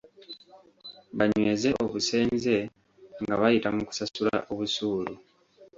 Banyweze obusenze nga bayita mu kusasula obusuulu.